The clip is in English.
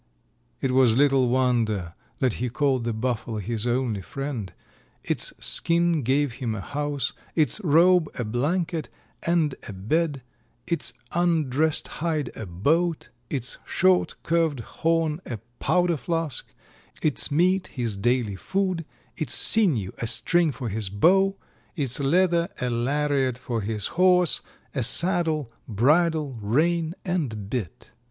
It was little wonder that he called the Buffalo his only friend. Its skin gave him a house, its robe a blanket and a bed, its undressed hide a boat, its short, curved horn a powder flask, its meat his daily food, its sinew a string for his bow, its leather a lariat for his horse, a saddle, bridle, rein and bit.